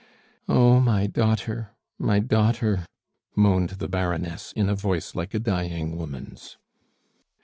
"Oh, my daughter, my daughter," moaned the Baroness in a voice like a dying woman's.